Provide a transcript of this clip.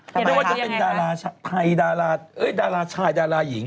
เปลี่ยนไปค่ะยังไงครับไม่ว่าจะเป็นดาราชายดาราหญิง